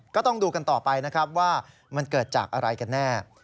ก็ต้องดูกันต่อไปนะครับว่ามันเกิดจากอะไรกันแน่